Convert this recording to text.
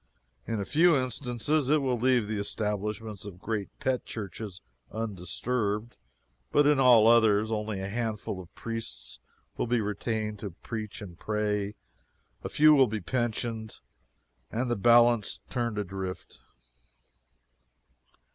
In a few instances it will leave the establishments of great pet churches undisturbed, but in all others only a handful of priests will be retained to preach and pray, a few will be pensioned, and the balance turned adrift.